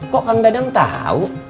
kok kang dadang tau